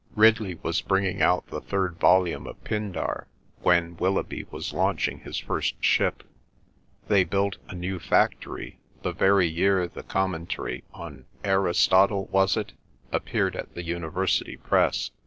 Ridley was bringing out the third volume of Pindar when Willoughby was launching his first ship. They built a new factory the very year the commentary on Aristotle—was it?—appeared at the University Press.